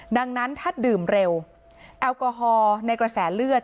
ดังนั้นถ้าดื่มเร็วแอลกอฮอล์ในกระแสเลือด